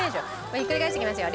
ひっくり返していきますよ。